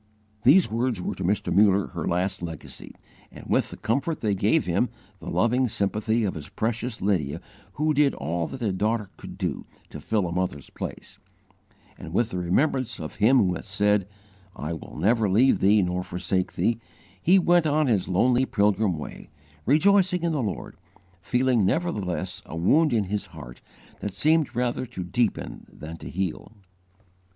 These words were to Mr. Muller her last legacy; and with the comfort they gave him, the loving sympathy of his precious Lydia who did all that a daughter could do to fill a mother's place, and with the remembrance of Him who hath said, 'I will never leave thee nor forsake thee,' he went on his lonely pilgrim way, rejoicing in the Lord, feeling nevertheless a wound in his heart, that seemed rather to deepen than to heal.